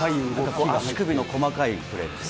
左右、足首の細かいプレーですね。